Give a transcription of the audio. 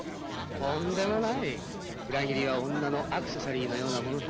とんでもない裏切りは女のアクセサリーのようなものさ。